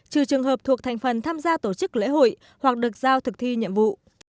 trừ trường hợp thuộc thành phần tham gia tổ chức lễ hội hoặc được giao thực thi nhiệm vụ